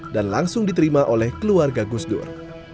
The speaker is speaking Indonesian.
dan langsung diterima oleh keluarga gusdur